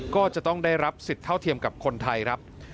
ก็จะต้องได้รับสิทธิ์เท่าเทียมกับคนไทยครับ